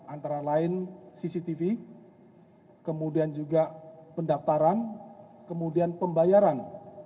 antara lain cctv kemudian juga pendaftaran kemudian pembayaran